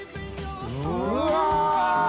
うわ！